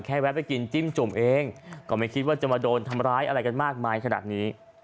แวะไปกินจิ้มจุ่มเองก็ไม่คิดว่าจะมาโดนทำร้ายอะไรกันมากมายขนาดนี้